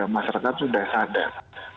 masyarakat sudah sadar